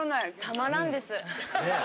たまらんです。